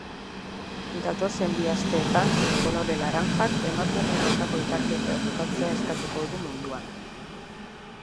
Datozen bi asteetan kolore laranjak emakumeen aurkako indarkeria bukatzea eskatuko du munduan.